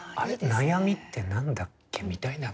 悩みって何だっけ」みたいな。